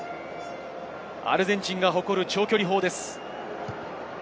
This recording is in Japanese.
アルゼンチンが誇る長距離砲です。